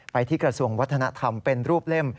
ที่กระทรวงวัฒนธรรมเป็นรูปเล่ม